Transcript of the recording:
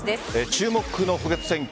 注目の補欠選挙